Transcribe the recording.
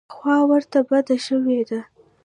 خوا ورته بده شوې ده.